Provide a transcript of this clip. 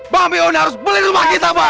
bang meun harus beli rumah kita bang